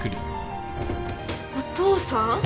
お父さん？